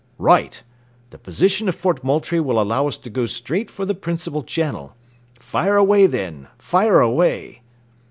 "Right; the position of Fort Moultrie will allow us to go straight for the principal channel. Fire away then, fire away!"